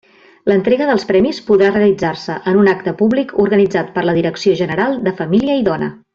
L'entrega dels premis podrà realitzar-se en un acte públic organitzat per la Direcció General de Família i Dona.